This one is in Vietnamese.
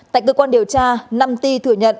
tại cơ quan điều tra năm ti thừa nhận